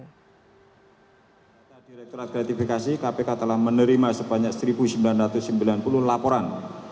direkturat gratifikasi kpk telah menerima sebanyak satu sembilan ratus sembilan puluh laporan